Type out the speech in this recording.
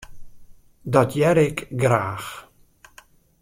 Dat hear ik graach.